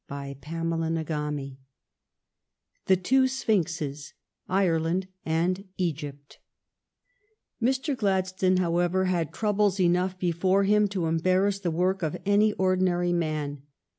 '■1 CHAPTER XXVIII THE TWO SPHINXES, IRELAND AND EGYPT Mr. Gladstone, however, had troubles enough before him to embarrass the work of any ordinary man.